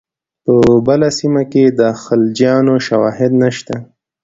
په بله سیمه کې د خلجیانو شواهد نشته.